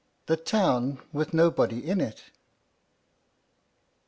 THE TOWN WITH NOBODY IN IT.